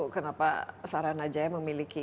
kenapa saranajaya memiliki